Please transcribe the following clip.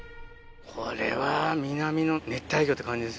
これは南の熱帯魚って感じですよね。